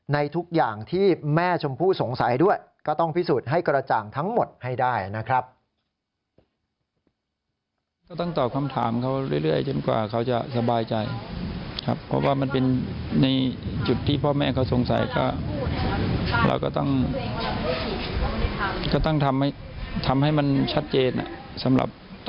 ในทุกอย่างที่แม่ชมพู่สงสัยด้วยก็ต้องพิสูจน์ให้กระจ่างทั้งหมดให้ได้นะครับ